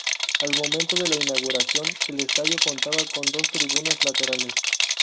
Al momento de la inauguración el estadio contaba con dos tribunas laterales.